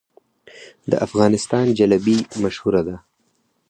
د افغانستان جلبي مشهوره ده